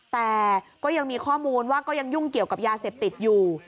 แต่ก็ยังมีข้อมูลว่าก็ยังยุ่งเกี่ยวกับยาเสพติดอยู่